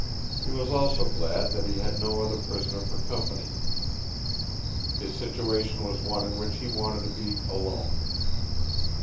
He was also glad that he had no other prisoner for company. His situation was one in which he wanted to be alone.